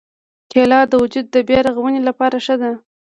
کېله د وجود د بیا رغونې لپاره ښه ده.